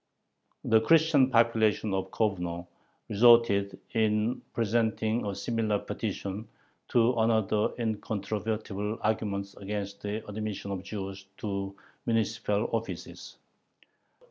The Christian population of Kovno resorted, in presenting a similar petition, to another incontrovertible argument against the admission of Jews to municipal offices.